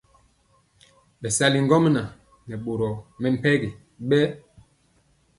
Bɛsali ŋgomnaŋ nɛ boro mɛmpegi bɛnd.